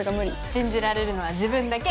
信じられるのは自分だけ。